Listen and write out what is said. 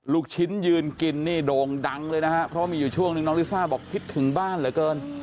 ลูกชิ้นยืนกินนี่โด่งดังเลยนะฮะเพราะมีอยู่ช่วงนึงน้องลิซ่าบอกคิดถึงบ้านเหลือเกิน